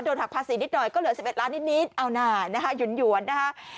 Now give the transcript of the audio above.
โดนหักภาษีนิดนู้ยก็เหลือ๑๑ล้านนิดนิดเอาหน่ายุ่นนะคะ